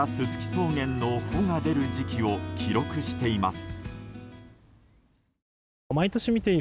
草原の穂が出る時期を記録しています。